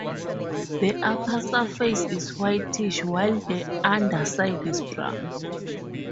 The upper surface is whitish while the underside is brown.